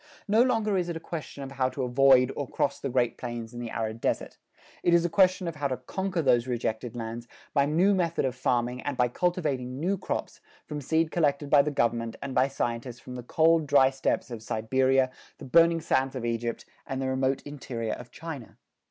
No longer is it a question of how to avoid or cross the Great Plains and the arid desert. It is a question of how to conquer those rejected lands by new method of farming and by cultivating new crops from seed collected by the government and by scientists from the cold, dry steppes of Siberia, the burning sands of Egypt, and the remote interior of China.